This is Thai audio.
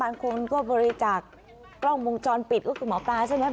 บางคนก็บริจาคกล้องวงจรปิดก็คือหมอปลาใช่ไหม